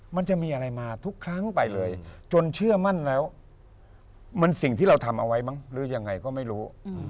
มันจะมีอะไรมาทุกครั้งไปเลยจนเชื่อมั่นแล้วมันสิ่งที่เราทำเอาไว้มั้งหรือยังไงก็ไม่รู้